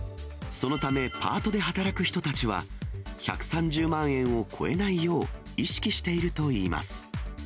そのためパートで働く人たちは、１３０万円を超えないよう、意識しているといいます。